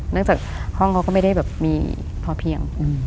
จากห้องเขาก็ไม่ได้แบบมีพอเพียง